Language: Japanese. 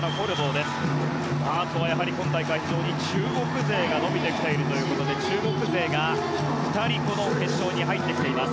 あとはやはり、今大会非常に中国勢が伸びてきているということで中国勢が２人この決勝に入ってきています。